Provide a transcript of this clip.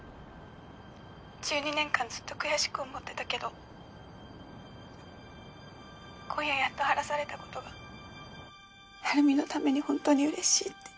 １２年間ずっと悔しく思ってたけど今夜やっと晴らされたことが晴美のために本当にうれしいって。